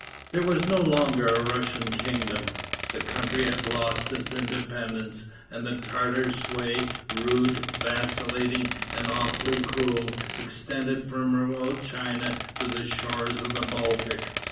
There was no longer a Russian kingdom. The country had lost its independence; and the Tartar sway, rude, vacillating and awfully cruel, extended from remote China to the shores of the Baltic.